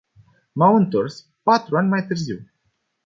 M-am întors patru ani mai târziu.